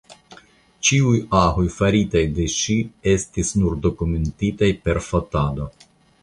Ĉiuj agoj faritaj de ŝi estas nur dokumentitaj per fotado.